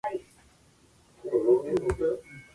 Both families' film was processed at the same facility.